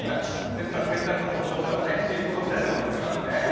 ですから洗濯の外干しとかシーツ干したりとかできますね。